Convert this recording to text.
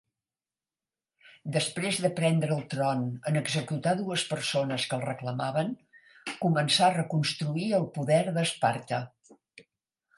Després de prendre el tron en executar dues persones que el reclamaven, començà a reconstruir el poder d'Esparta.